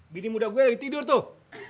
bini muda gue lagi tidur tuh